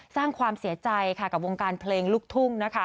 สร้างความเสียใจกับวงการเพลงลุกทุ่ง